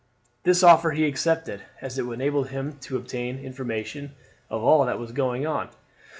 This offer he accepted, as it would enable him to obtain information of all that was going on.